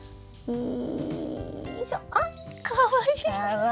うん。